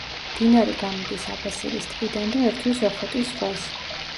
მდინარე გამოდის აბასირის ტბიდან და ერთვის ოხოტის ზღვას.